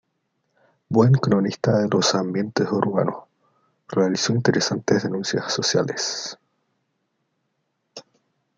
Buen cronista de los ambientes urbanos, realizó interesantes denuncias sociales.